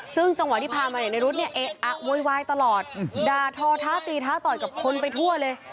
ซึ่งจังหวะที่พามาอย่างในรถเนี่ยเอ๊ะอะโวยวายตลอดด่าทอท้าตีท้าต่อยกับคนไปทั่วเลย